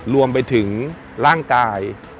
รวมไปถึงร่างกาย